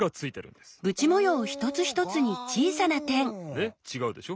ねっちがうでしょ？